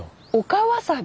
陸わさび。